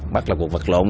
bắt là cuộc vật lộn